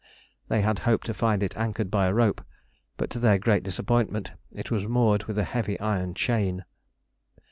They had hoped to find it anchored by a rope, but to their great disappointment it was moored with a heavy iron chain.